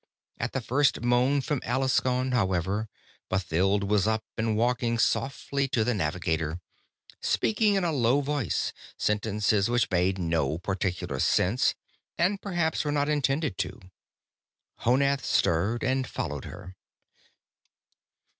At the first moan from Alaskon, however, Mathild was up and walking softly to the navigator, speaking in a low voice, sentences which made no particular sense and perhaps were not intended to. Honath stirred and followed her.